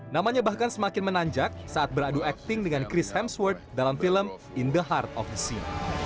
namanya bahkan semakin menanjak saat beradu akting dengan chris hamsword dalam film in the heart of the sea